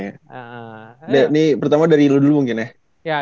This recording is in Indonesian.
ini pertama dari lu dulu mungkin ya